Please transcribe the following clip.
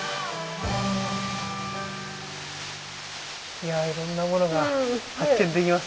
いやいろんなものが発見できますね。